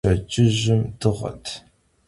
Pşedcıjım dığet.